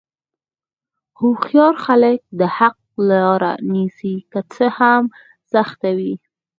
هوښیار خلک د حق لاره نیسي، که څه هم سخته وي.